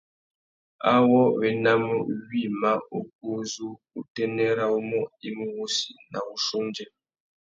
Awô wa enamú wïmá ukú uzu utênê râ umô i mú wussi na wuchiô undjê.